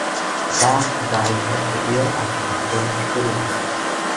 Blanc died just a year after the film's release.